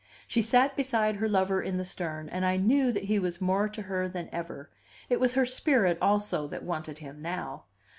She sat beside her lover in the stern, and I knew that he was more to her than ever: it was her spirit also that wanted him now.